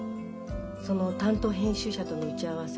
その担当編集者との打ち合わせ